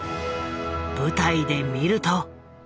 舞台で見ると。